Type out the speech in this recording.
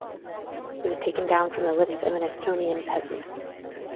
It was taken down from the lips of an Estonian peasant.